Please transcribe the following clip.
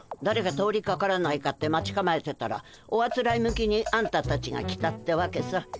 だれか通りかからないかって待ちかまえてたらおあつらえ向きにあんたたちが来たってわけさ。